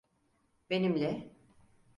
Benimle.